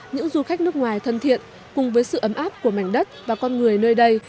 những du khách nước ngoài thân thiện cùng với sự ấm áp của mảnh đất và con người nơi đây